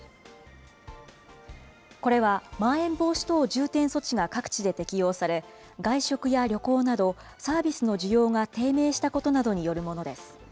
これはまん延防止等重点措置が各地で適用され、外食や旅行など、サービスの需要が低迷したことなどによるものです。